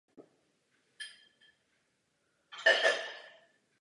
Je autorem řady teologických publikací.